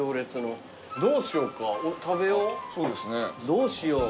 どうしよう。